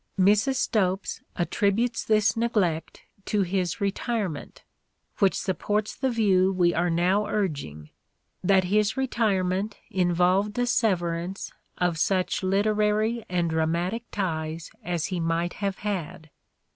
Mrs. Stopes attributes this neglect to his retirement : which supports the view we are now urging, THE STRATFORDIAN VIEW 55 that his retirement involved a severance of such literary and dramatic ties as he might have had.